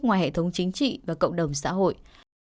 ngoài hệ thống chính trị và cộng đồng xã hội